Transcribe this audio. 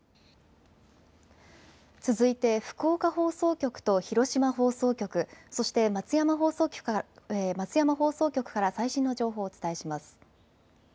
続いて福岡放送局と広島放送局、そして松山放送局から最新の情報をお伝えします。